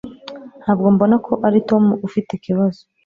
Ntabwo mbona ko ari Tom ufite ikibazo